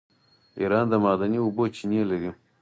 ایران د معدني اوبو چینې لري.